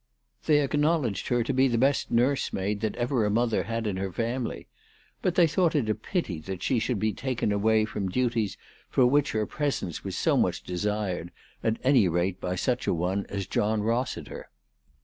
They acknowledged her to be the best nursemaid that ever a mother had in her family ; but they thought it a pity that she should be taken away from duties for which her presence was so much 328 ALICE DUGDALE. desired, at any rate by such a one as John Rossiter.